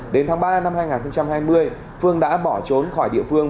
đến tháng ba năm hai nghìn hai mươi phương đã bỏ trốn khỏi địa phương